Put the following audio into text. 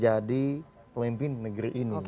jadi pemimpin negeri ini